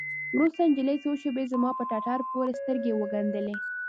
وروسته نجلۍ څو شېبې زما په ټټر پورې سترګې وگنډلې.